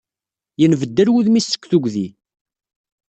Yenbeddal wudem-is seg tigdi.